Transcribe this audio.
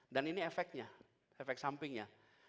dan ini efeknya efek sampingnya